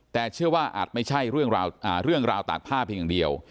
แต่เชื่อว่าอาจไม่ใช่เรื่องราวตากผ้าเพียงอย่างเดียว